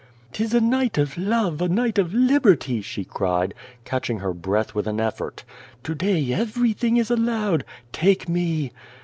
"'Tis a night of love! A night of libei ty!" she cried, catcliing her breath with an effort. "To day everything is allowed. Take me!"